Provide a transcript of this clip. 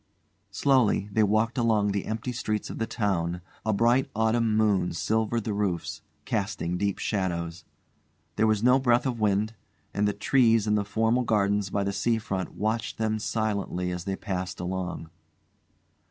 Slowly they walked along the empty streets of the town; a bright autumn moon silvered the roofs, casting deep shadows; there was no breath of wind; and the trees in the formal gardens by the sea front watched them silently as they passed along.